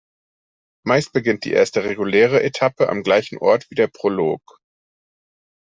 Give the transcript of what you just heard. Meist beginnt die erste reguläre Etappe am gleichen Ort wie der Prolog.